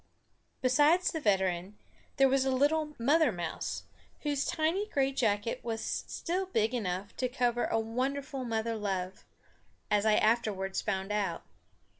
Besides the veteran there was a little mother mouse, whose tiny gray jacket was still big enough to cover a wonderful mother love, as I afterwards found out.